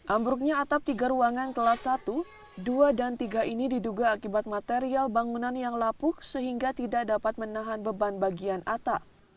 ambruknya atap tiga ruangan kelas satu dua dan tiga ini diduga akibat material bangunan yang lapuk sehingga tidak dapat menahan beban bagian atap